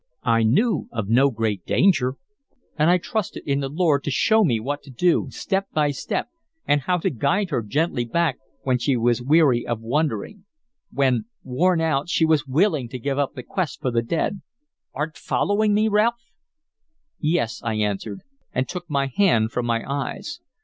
I knew of no great danger, and I trusted in the Lord to show me what to do, step by step, and how to guide her gently back when she was weary of wandering, when, worn out, she was willing to give up the quest for the dead. Art following me, Ralph?" "Yes," I answered, and took my hand from my eyes.